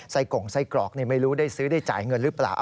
กงไส้กรอกไม่รู้ได้ซื้อได้จ่ายเงินหรือเปล่า